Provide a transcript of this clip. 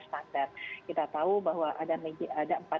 standar kita tahu bahwa ada lebih ada